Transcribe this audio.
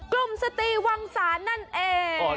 กลุ่มสติวังษานั่นเอง